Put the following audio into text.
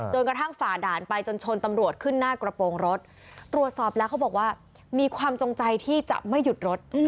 กระทั่งฝ่าด่านไปจนชนตำรวจขึ้นหน้ากระโปรงรถตรวจสอบแล้วเขาบอกว่ามีความจงใจที่จะไม่หยุดรถ